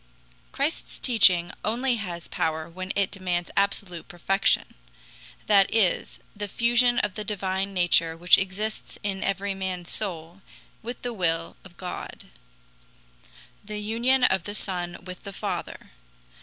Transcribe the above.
Christ's teaching only has power when it demands absolute perfection that is, the fusion of the divine nature which exists in every man's soul with the will of God the union of the Son with the Father.